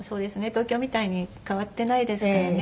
東京みたいに変わってないですからね